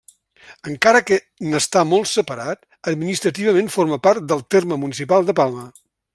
Encara que n'està molt separat, administrativament forma part del terme municipal de Palma.